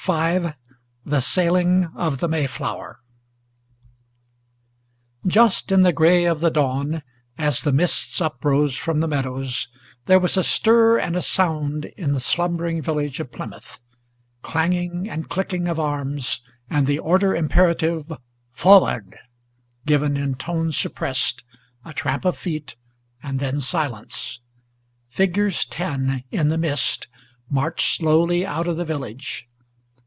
V THE SAILING OF THE MAYFLOWER Just in the gray of the dawn, as the mists uprose from the meadows, There was a stir and a sound in the slumbering village of Plymouth; Clanging and clicking of arms, and the order imperative, "Forward!" Given in tone suppressed, a tramp of feet, and then silence. Figures ten, in the mist, marched slowly out of the village.